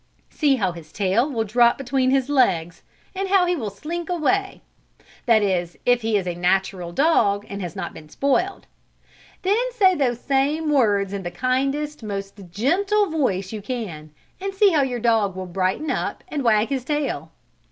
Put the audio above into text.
See how his tail will drop between his legs, and how he will slink away that is if he is a natural dog and has not been spoiled. Then say those same words in the kindest, most gentle voice you can, and see how your dog will brighten up, and wag his tail.